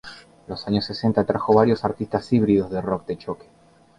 Los años sesenta trajo varios artistas híbridos de rock de choque.